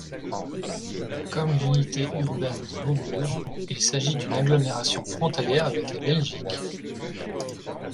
Comme l'unité urbaine de Maubeuge, il s'agit d'une agglomération frontalière avec la Belgique.